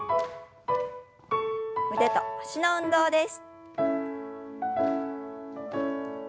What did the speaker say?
腕と脚の運動です。